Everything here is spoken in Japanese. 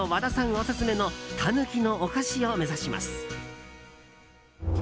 オススメのタヌキのお菓子を目指します。